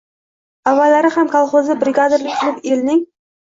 Avvallari ham kolxozda brigadirlik qilib, elning